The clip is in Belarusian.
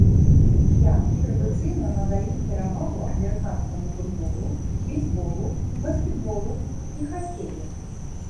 Янкі традыцыйна надаюць перавагу амерыканскаму футболу, бейсболу, баскетболу і хакею.